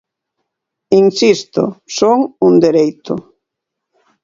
Insisto, son un dereito.